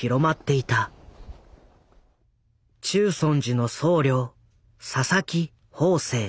中尊寺の僧侶佐々木邦世。